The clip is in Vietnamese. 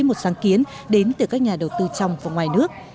một sáng kiến đến từ các nhà đầu tư trong và ngoài nước